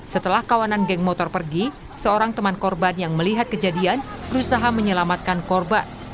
setelah kawanan geng motor pergi seorang teman korban yang melihat kejadian berusaha menyelamatkan korban